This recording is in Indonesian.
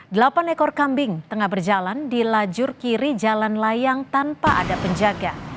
delapan ekor kambing tengah berjalan di lajur kiri jalan layang tanpa ada penjaga